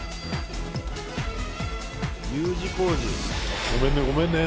Ｕ字工事。